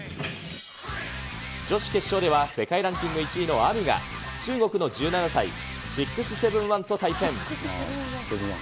女子決勝では、世界ランキング１位のＡＭＩが、中国の１７歳、６７１と対戦。